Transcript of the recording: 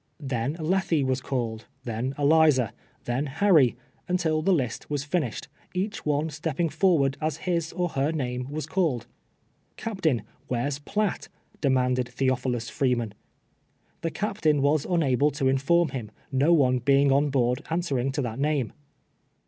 Then Lethe was called, then 76 TWELVE TEAB8 A SLAVE. Eliza, then Ilany, \intil the list was finished, cacli one stepping t'urward as his or her name Avas called. "Ca}>tain, where's Piatt?" demanded Theophilua Freeman. Tin.' c'a}»tain was nnable to inform him, no one be ing on Ijoard answering to that name.